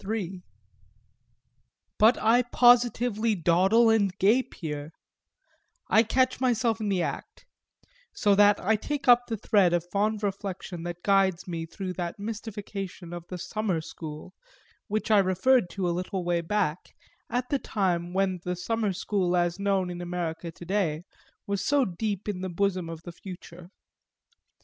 III But I positively dawdle and gape here I catch myself in the act; so that I take up the thread of fond reflection that guides me through that mystification of the summer school, which I referred to a little way back, at the time when the Summer School as known in America to day was so deep in the bosom of the future.